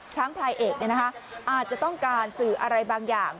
ช้างพลายเอกเนี่ยนะคะอาจจะต้องการสื่ออะไรบางอย่าง